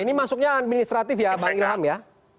ini masuknya administratif ya bang ilham ya